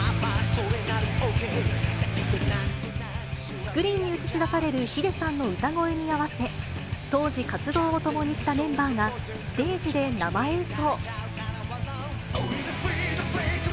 スクリーンに映し出されるｈｉｄｅさんの歌声に合わせ、当時活動を共にしたメンバーが、ステージで生演奏。